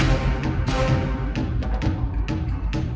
aku harus berhenti